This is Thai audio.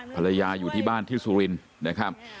ภรรยาอยู่ที่บ้านที่สุรินนะครับ